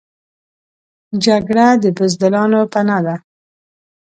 جګړه د بزدلانو پناه ده